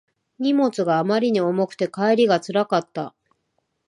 荷物があまりに重くて帰りがつらかった